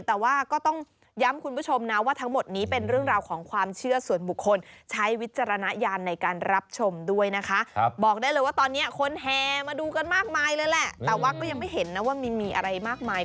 แต่ว่าก็ต้องย้ำคุณผู้ชมนะว่าทั้งหมดนี้